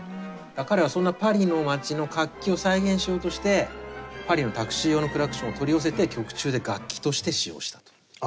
彼はそんなパリの街の活気を再現しようとしてパリのタクシー用のクラクションを取り寄せて曲中で楽器として使用したという。